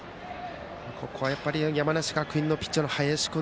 ここは、やっぱり山梨学院のピッチャーの林君。